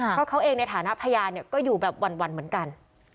เพราะเขาเองในฐานะพยานก็อยู่แบบวันเหมือนกัน